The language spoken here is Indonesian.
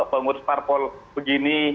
pengurus parpol begini